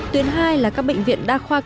tuyến hai là các bệnh viện đa khoa cơ bản